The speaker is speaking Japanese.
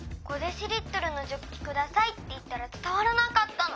『５ｄＬのジョッキください』っていったらつたわらなかったの。